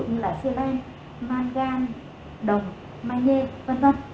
như là siêu đen mangan đồng manhê v v